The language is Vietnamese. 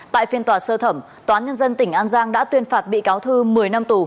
tại phiên tòa sơ thẩm tòa án nhân dân tỉnh an giang đã tuyên phạt bị cáo thư một mươi năm tù